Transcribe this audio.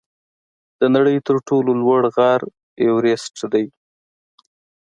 د نړۍ تر ټولو لوړ غر ایورسټ دی.